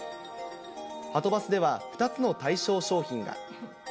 はとバスでは、２つの対象商品が。